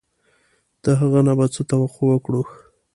د هغه نه به څه توقع وکړو.